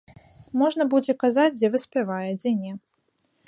Можна будзе казаць, дзе выспявае, дзе не.